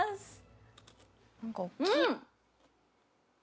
うん！